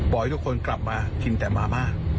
ให้ทุกคนกลับมากินแต่มาม่า